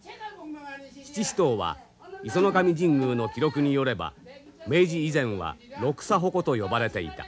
七支刀は石上神宮の記録によれば明治以前は六叉鉾と呼ばれていた。